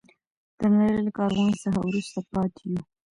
د نړۍ له کاروان څخه وروسته پاتې یو.